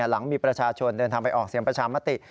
หลังมีประชาชนเดินทางไปออกเสียงประชามติ